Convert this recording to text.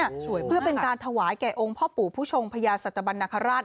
สวยมากค่ะเพื่อเป็นการถวายแก่องค์พ่อปู่ผู้ชมพญาศตบันนคราช